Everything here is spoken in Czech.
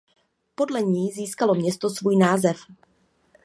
Podle ní získalo město svůj název.